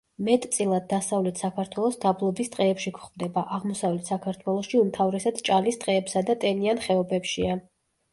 მეტწილად დასავლეთ საქართველოს დაბლობის ტყეებში გვხვდება, აღმოსავლეთ საქართველოში უმთავრესად ჭალის ტყეებსა და ტენიან ხეობებშია.